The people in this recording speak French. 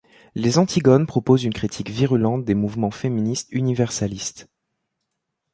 Les Antigones proposent une critique virulente des mouvements féministes universalistes.